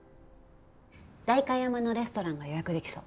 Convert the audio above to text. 代官山のレストランが予約できそう。